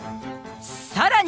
さらに。